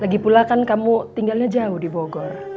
lagi pula kan kamu tinggalnya jauh di bogor